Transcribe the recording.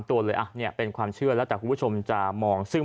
ตัวเลยอ่ะเนี่ยเป็นความเชื่อแล้วแต่คุณผู้ชมจะมองซึ่ง